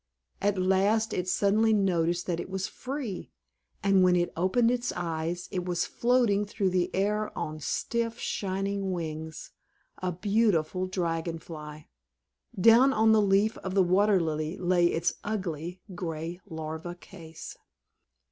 At last it suddenly noticed that it was free; and when it opened its eyes it was floating through the air on stiff, shining wings, a beautiful Dragon Fly. Down on the leaf of the Water Lily lay its ugly gray Larva case.